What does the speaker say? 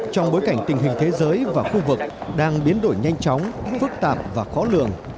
trong bối cảnh tình hình thế giới và khu vực đang biến đổi nhanh chóng phức tạp và khó lường